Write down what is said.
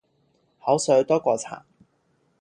口水多过茶